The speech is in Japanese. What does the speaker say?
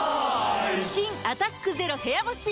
新「アタックＺＥＲＯ部屋干し」解禁‼